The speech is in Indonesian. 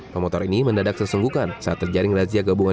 pemotor ini mendadak sesunggukan saat terjaring razia gabungan